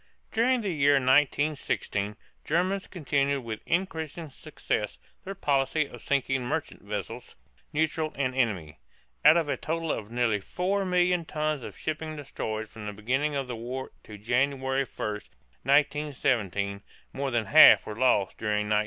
During the year 1916 Germans continued with increasing success their policy of sinking merchant vessels, neutral and enemy. Out of a total of nearly 4,000,000 tons of shipping destroyed from the beginning of the war to January 1, 1917, more than half was lost during 1916.